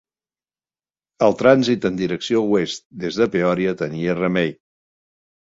El trànsit en direcció oest des de Peòria tenia remei.